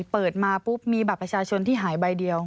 เปิดมาปุ๊บมีบัตรประชาชนที่หายใบเดียว